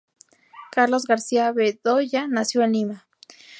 Carlos García-Bedoya nació en Lima.